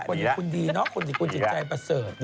คุณหลุมคุณดีเนอะคุณหลุมคุณจิตใจประเสริม